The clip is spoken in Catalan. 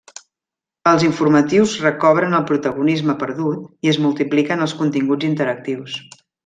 Els informatius recobren el protagonisme perdut i es multipliquen els continguts interactius.